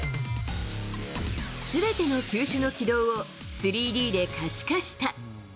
すべての球種の軌道を３Ｄで可視化した。